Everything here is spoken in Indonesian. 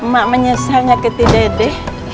mak menyesal nyakiti dede